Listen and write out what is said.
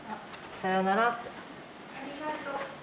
さよならって。